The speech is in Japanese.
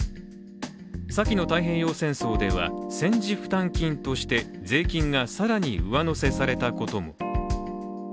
さきの太平洋戦争では、戦時負担金として税金が更に上乗せされたことも。